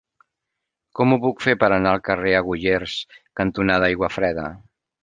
Com ho puc fer per anar al carrer Agullers cantonada Aiguafreda?